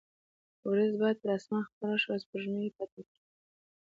وریځ بیا پر اسمان خپره شوه او سپوږمۍ یې پټه کړه.